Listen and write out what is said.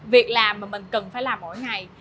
việc làm mà mình cần phải làm mỗi ngày